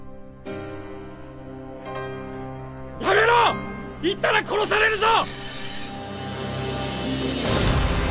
やめろ言ったら殺されるぞ！